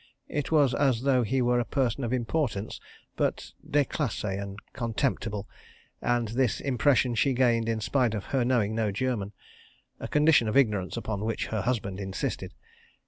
It was as though he were a person of importance, but déclassé and contemptible, and this impression she gained in spite of her knowing no German (a condition of ignorance upon which her husband insisted).